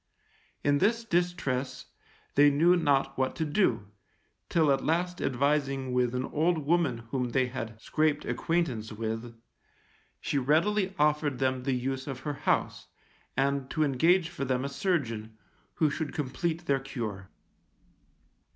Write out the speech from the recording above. In this distress they knew not what to do, till at last advising with an old woman whom they had scraped acquaintance with, she readily offered them the use of her house, and to engage for them a surgeon, who should complete their cure.